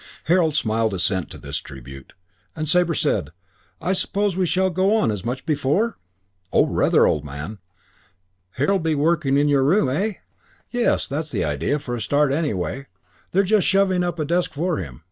Harold smiled assent to this tribute, and Sabre said, "I suppose we shall go on much as before?" "Oh, rather, old man." "Harold be working in your room, eh?" "Yes, that's the idea, for a start, anyway. They're just shoving up a desk for him.